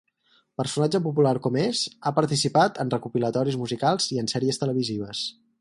Personatge popular com és, ha participat en recopilatoris musicals i en sèries televisives.